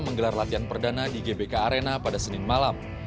menggelar latihan perdana di gbk arena pada senin malam